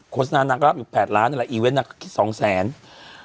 โฆษณานางรับอยู่๘ล้านอีเวนต์นางรับอยู่๒๐๐๐๐๐